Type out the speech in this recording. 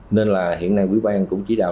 nên là hiện nay quỹ ban cũng chỉ đạo